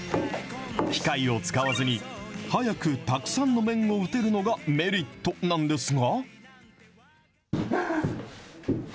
機械を使わずに、速くたくさんの麺を打てるのがメリットなんですが。